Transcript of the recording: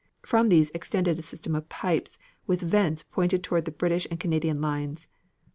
From these extended a system of pipes with vents pointed toward the British and Canadian lines.